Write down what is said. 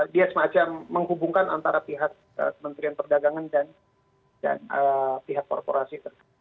dia semacam menghubungkan antara pihak kementerian perdagangan dan pihak korporasi